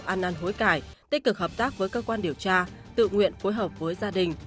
ăn năn hối cải tích cực hợp tác với cơ quan điều tra tự nguyện phối hợp với gia đình